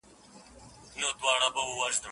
كوم اكبر به ورانوي د فرنګ خونه